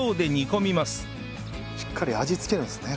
しっかり味付けるんですね